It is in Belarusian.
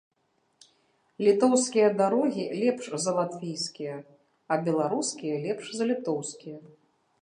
Літоўскія дарогі лепш за латвійскія, а беларускія лепш за літоўскія.